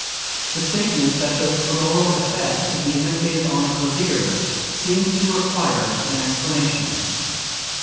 [The statement that the tremolo effect could be imitated on the clavier seems to require an explanation.